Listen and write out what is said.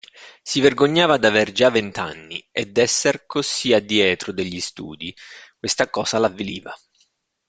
Si vergognava d'aver già vent'anni, e d'essere così a dietro degli studi: questa cosa l'avviliva.